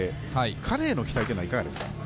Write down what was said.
彼への期待というのはいかがですか？